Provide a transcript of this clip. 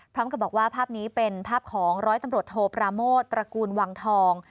พร้อมกับบอกว่าภาพนี้เป็นภาพของร้อยตำรวจโทปราโมทตระกูลวังทอง